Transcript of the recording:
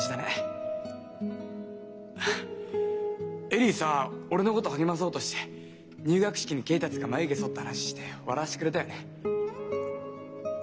恵里さ俺のこと励まそうとして入学式に恵達がまゆ毛そった話して笑わせてくれたよね。